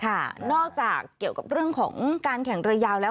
นอกจากเกี่ยวกับเรื่องของการแข่งเรือยาวแล้ว